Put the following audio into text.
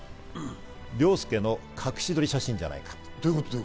凌介の隠し撮り写真じゃないかと。